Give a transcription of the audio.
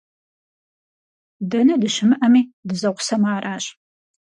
Дэнэ дыщымыӀэми, дызэгъусэмэ аращ.